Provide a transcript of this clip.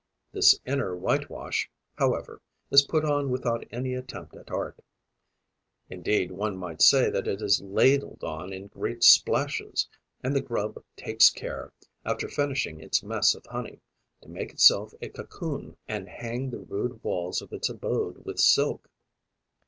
This inner whitewash, however, is put on without any attempt at art, indeed one might say that it is ladled on in great splashes; and the grub takes care, after finishing its mess of honey, to make itself a cocoon and hang the rude walls of its abode with silk.